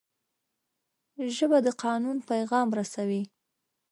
ژبه د قانون پیغام رسوي